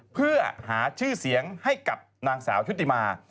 เพื่อหาชื่อเสียงให้กับนางสาวชุติมา